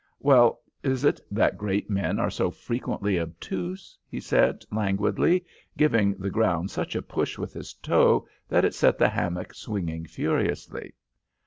"'Why is it that great men are so frequently obtuse?' he said, languidly, giving the ground such a push with his toe that it set the hammock swinging furiously.